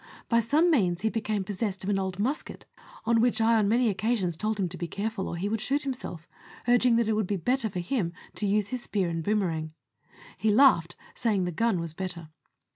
By some means he became possessed of an old musket, of which I on many occasions told him to be careful, or he would shoot himself, urging that it would be better for him to use his spear and boomerang. He laughed, saying the gun was better.